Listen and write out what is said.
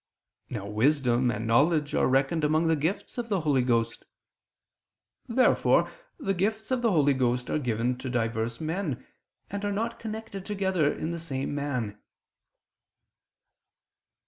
Now wisdom and knowledge are reckoned among the gifts of the Holy Ghost. Therefore the gifts of the Holy Ghost are given to divers men, and are not connected together in the same man.